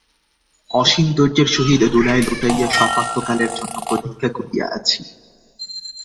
অসীম ধৈর্যের সহিত ধুলায় লুটাইয়া শাপান্তকালের জন্য প্রতীক্ষা করিয়া আছি।